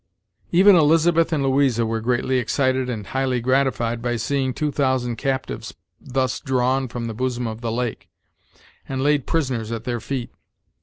Even Elizabeth and Louisa were greatly excited and highly gratified by seeing two thousand captives thus drawn from the bosom of the lake, and laid prisoners at their feet.